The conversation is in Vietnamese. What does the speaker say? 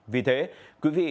vì thế quý vị